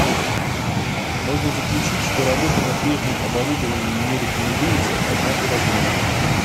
Можно заключить что работа на прежнем оборудовании не рекомендуется, однако возможна